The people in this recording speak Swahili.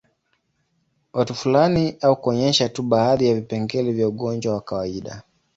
Watu fulani au kuonyesha tu baadhi ya vipengele vya ugonjwa wa kawaida